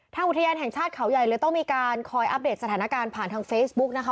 อุทยานแห่งชาติเขาใหญ่เลยต้องมีการคอยอัปเดตสถานการณ์ผ่านทางเฟซบุ๊กนะคะ